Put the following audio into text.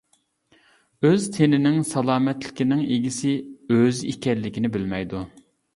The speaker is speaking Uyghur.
ئۆز تىنىنىڭ سالامەتلىكىنىڭ ئىگىسى ئۆزى ئىكەنلىكىنى بىلمەيدۇ.